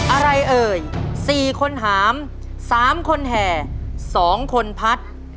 อะไรเอ่ย๔คนหาม๓คนแห่๒คนพัด